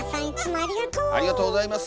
ありがとうございます！